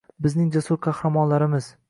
Bizning jasur qahramonlarimiz